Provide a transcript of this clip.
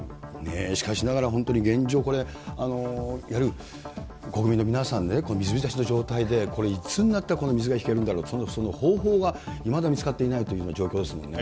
しかしながら本当に、現状、これ、いわゆる国民の皆さん、水浸しの状態でいつになったら水が引けるんだろう、その方法はいまだ見つかっていないというような状況ですもんね。